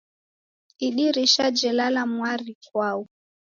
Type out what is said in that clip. Idirisha jelala mwari ikwau